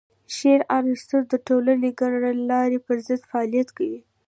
شریر عناصر د ټولنې د کړنلارې پر ضد فعالیت کوي.